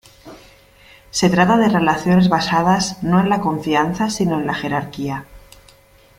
Se trata de relaciones basadas, no en la confianza, sino en la jerarquía.